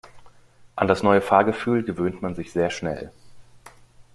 An das neue Fahrgefühl gewöhnt man sich sehr schnell.